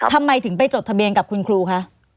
ทำไมถึงไปจดทะเบียนกับคุณครูคะ